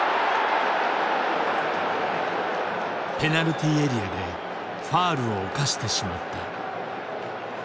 ペナルティーエリアでファウルを犯してしまった。